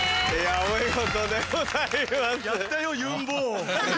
お見事でございます。